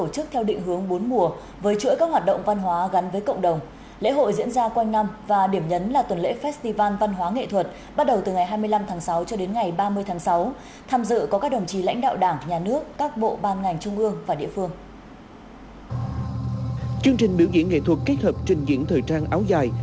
chương trình biểu diễn nghệ thuật kết hợp trình diễn thời trang áo dài